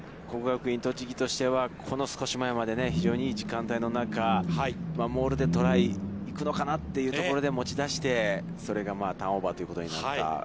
国学院栃木としてはこの少し前まで、非常にいい時間帯の中、モールでトライ、行くのかなというところで持ち出して、それがターンオーバーということになった。